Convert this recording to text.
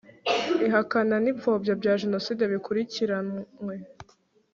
ihakana n ipfobya bya jenoside bikurikiranwe